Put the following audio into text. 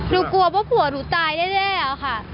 ดูกลบพ่อพี่หัวตายแทบแทบค่ะ